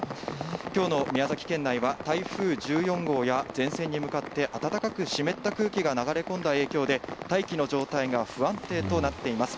きょうの宮崎県内は台風１４号や前線に向かって暖かく湿った空気が流れ込んだ影響で、大気の状態が不安定となっています。